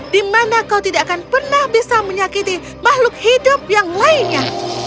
di mana kau tidak akan pernah bisa menyakiti makhluk hidup yang lainnya